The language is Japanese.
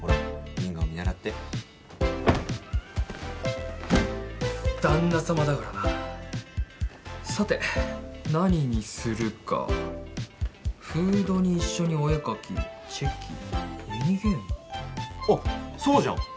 ギンガを見習って旦那さまだからなさて何にするか「フードに一緒にお絵描き」「チェキ」「ミニゲーム」あっそうじゃん